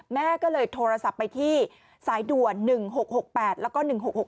แม่ก็เลยโทรศัพท์ไปที่สายด่วน๑๖๖๘แล้วก็๑๖๖